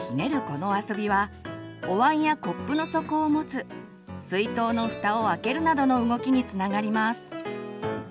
この遊びはおわんやコップの底を持つ水筒のふたを開けるなどの動きにつながります。